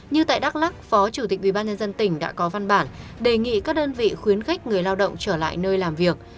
như tại đắk lắc phó chủ tịch ubnd tỉnh đã có văn bản đề nghị các đơn vị khuyến khích người lao động trở lại nơi làm việc